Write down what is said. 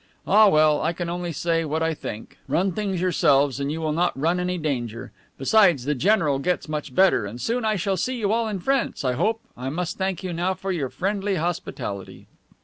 Ah well, I can only say what I think. Run things yourselves and you will not run any danger. Besides, the general gets much better, and soon I shall see you all in France, I hope. I must thank you now for your friendly hospitality."